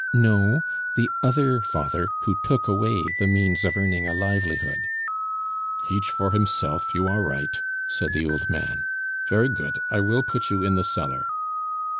"No; the other father who took away the means of earning a livelihood." "Each for himself, you are right!" said the old man. "Very good, I will put you in the cellar."